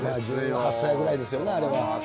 １８歳ぐらいですよ、あれは。